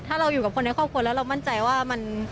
ถ้าเราอยู่กับคนในครอบครัวแล้วเรามั่นใจว่ามัน